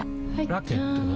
ラケットは？